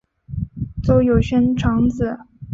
邹永煊长子。